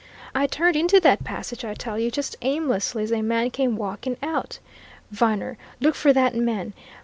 I turned into that passage, I tell you, just aimlessly, as a man came walking out. Viner, look for that man!